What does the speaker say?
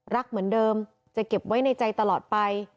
รักเหมือนเดิมจะเก็บไว้ในใจตลอดไป